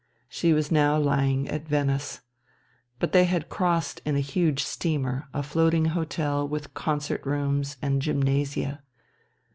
She was now lying at Venice. But they had crossed in a huge steamer, a floating hotel with concert rooms and gymnasia.